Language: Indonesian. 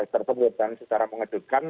tersebut dan secara mengedutkan